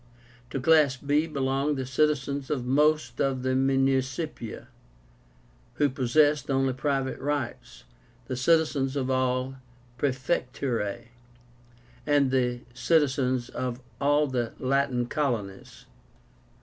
To class b belonged the citizens of most of the Municipia, who possessed only private rights, the citizens of all the Praefectúrae, and the citizens of all the Latin colonies.